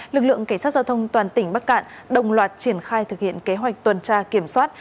lực lượng cảnh sát giao thông toàn tỉnh bắc cạn đồng loạt triển khai thực hiện kế hoạch tuần tra kiểm soát